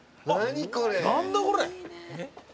何だこれ！？